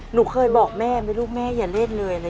หนูเคยบอกแม่ไหมลูกแม่อย่าเล่นเลย